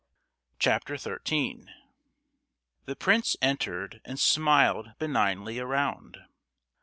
CHAPTER XIII. The prince entered and smiled benignly around.